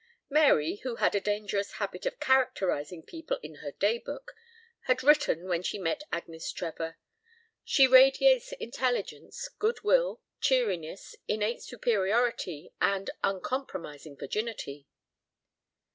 Mary, who had a dangerous habit of characterizing people in her Day Book, had written when she met Agnes Trevor: "She radiates intelligence, good will, cheeriness, innate superiority and uncompromising virginity."